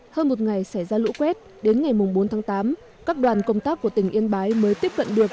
hơn một ngày xảy ra lũ quét đến ngày bốn tháng tám các đoàn công tác của tỉnh yên bái mới tiếp cận được